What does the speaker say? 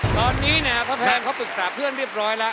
ตอนนี้เนี่ยพ่อแพงเขาปรึกษาเพื่อนเรียบร้อยแล้ว